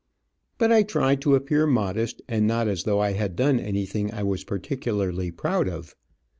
But I tried to appear modest, and not as though I had done anything I was particularly proud of.